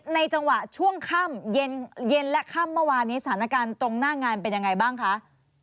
จังหวะช่วงค่ำเย็นและค่ำเมื่อวานนี้สถานการณ์ตรงหน้างานเป็นยังไงบ้างคะ